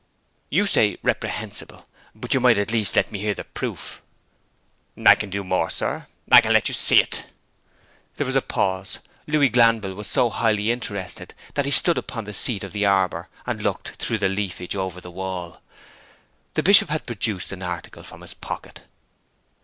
'You say reprehensible. But you might at least let me hear the proof!' 'I can do more, sir. I can let you see it!' There was a pause. Louis Glanville was so highly interested that he stood upon the seat of the arbour, and looked through the leafage over the wall. The Bishop had produced an article from his pocket.